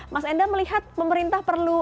mas enda melihat pemerintah perlu